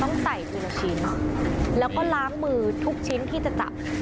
ต้องใส่ทีละชิ้นแล้วก็ล้างมือทุกชิ้นที่จะจับ